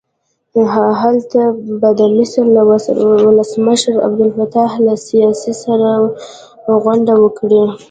هلته به د مصر له ولسمشر عبدالفتاح السیسي سره غونډه وکړي.